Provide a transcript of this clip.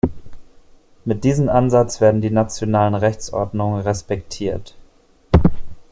Mit diesem Ansatz werden die nationalen Rechtsordnungen respektiert.